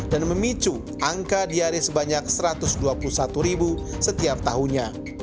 dan memicu angka diari sebanyak satu ratus dua puluh satu ribu setiap tahunnya